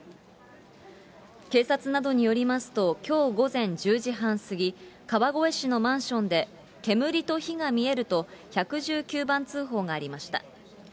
警察などによりますと、きょう午前１０時半過ぎ、川越市のマンションで、煙と火が見えると、１１９番通報がありました。